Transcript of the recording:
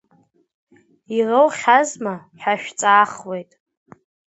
Ироухьазма ҳәа шәҵаахуеит…